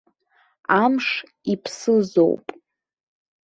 Амш иԥсызоуп.